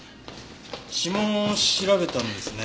指紋を調べたんですね。